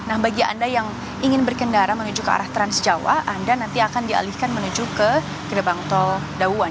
nah bagi anda yang ingin berkendara menuju ke arah transjawa anda nanti akan dialihkan menuju ke gerbang tol dauan